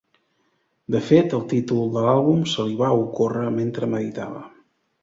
De fet, el títol de l'àlbum se li va ocórrer mentre meditava.